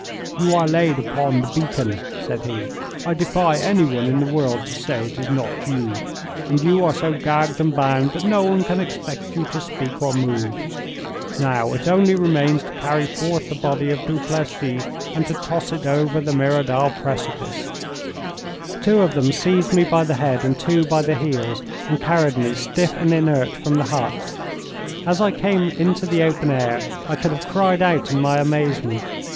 "You are laid upon the beacon," said he; "I defy anyone in the world to say it is not you, and you are so gagged and bound that no one can expect you to speak or move. Now, it only remains to carry forth the body of Duplessis and to toss it over the Merodal precipice." Two of them seized me by the head and two by the heels, and carried me, stiff and inert, from the hut. As I came into the open air I could have cried out in my amazement.